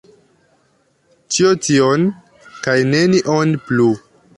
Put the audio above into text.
Ĉi tion kaj nenion plu!